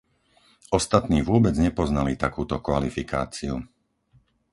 Ostatní vôbec nepoznali takúto kvalifikáciu.